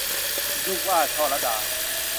ลูกหว้า - ช่อลัดา